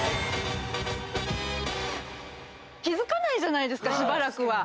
気付かないじゃないですかしばらくは。